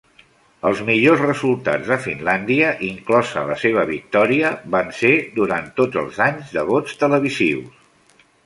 Els millors resultats de Finlàndia, inclosa la seva victòria van ser durant tots els anys de vots televisius.